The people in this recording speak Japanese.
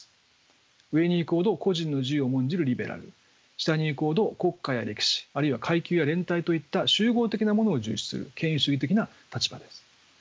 上に行くほど個人の自由を重んじるリベラル下に行くほど国家や歴史あるいは階級や連帯といった集合的なものを重視する権威主義的な立場です。